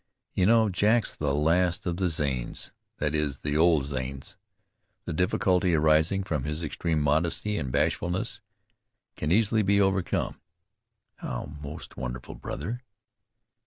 You know Jack's the last of the Zanes, that is, the old Zanes. The difficulty arising from his extreme modesty and bashfulness can easily be overcome." "How, most wonderful brother?"